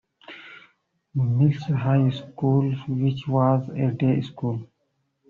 Mel's High School, which was a day school.